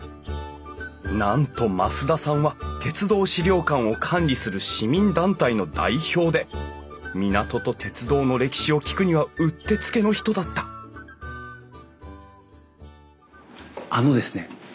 なんと増田さんは鉄道資料館を管理する市民団体の代表で「港と鉄道」の歴史を聞くにはうってつけの人だったあのですね